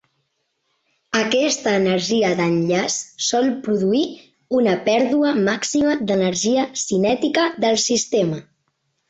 Aquesta energia d'enllaç sol produir una pèrdua màxima d'energia cinètica del sistema.